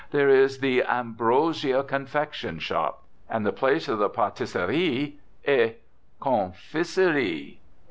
There is the "Ambrosia Confection Shop," and the place of the "Patisserie et Confiserie."